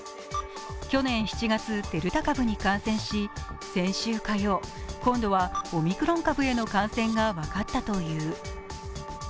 去年７月、デルタ株に感染し先週火曜今度はオミクロン株への感染が分かったという。